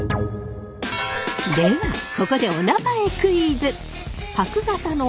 ではここでおなまえクイズ。